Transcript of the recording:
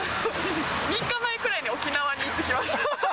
３日前くらいに、沖縄に行ってきました。